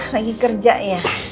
lagi kerja ya